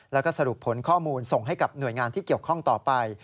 แล้วก็สรุปผลข้อมูลส่งให้กับหน่วยงานที่เกี่ยวข้องต่อไป